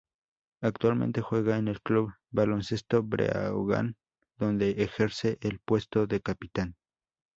Actualmente juega en el Club Baloncesto Breogán, donde ejerce el puesto de capitán.